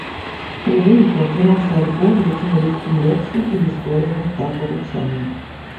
У выніку атрымаўся альбом, які мы лічым лепшым у гісторыі гурта па гучанні.